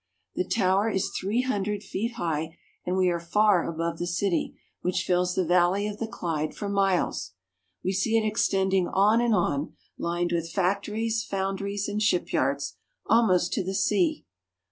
The tower is three hundred feet high, and we are far above the city, which fills the valley of the Clyde for miles. We see it extending on and on, lined with factories, foundries, and shipyards, almost to the sea.